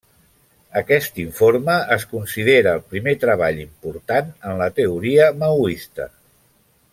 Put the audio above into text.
Aquest informe es considera el primer treball important en la teoria maoista.